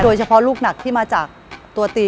โดยเฉพาะลูกหนักที่มาจากตัวตี